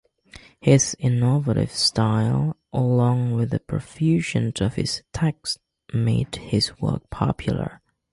His innovative style, along with the profusion of his tags made his work popular.